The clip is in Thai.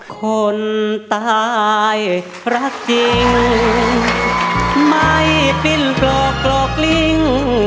คนตายรักจริงไม่ปิ้นกลอกกรอกลิ้ง